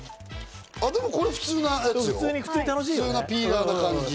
これ普通なやつよ、普通のピーラーな感じ。